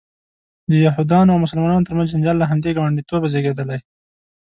د یهودانو او مسلمانانو ترمنځ جنجال له همدې ګاونډیتوبه زیږېدلی.